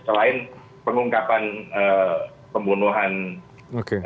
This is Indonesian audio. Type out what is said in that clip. selain pengungkapan pembunuhan brigadier jodoh